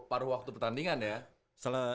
paru waktu pertandingan ya